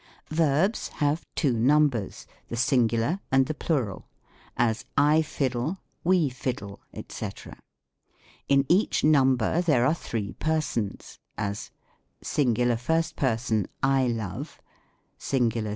Verbs have two numbers, the Singular and the Plural : as, " I fiddle, we fiddle, "*&c. In ' ach number there are three presons ; as, SINGULAR. PLURAL. First Person I love We love.